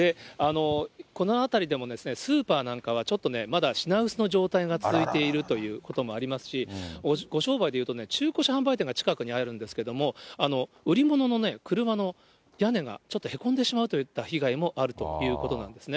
この辺りでも、スーパーなんかはちょっとまだ品薄の状態が続いているということもありますし、ご商売でいうとね、中古車販売店が近くにあるんですけれども、売り物の車の屋根がちょっとへこんでしまうといった被害もあるということなんですね。